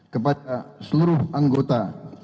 kepada seluruh anggota